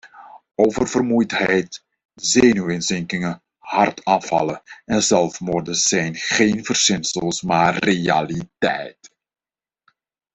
Oververmoeidheid, zenuwinzinkingen, hartaanvallen en zelfmoorden zijn geen verzinsels maar realiteit.